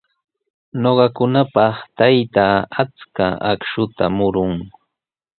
Ñuqakunapaq taytaa achka akshuta murun.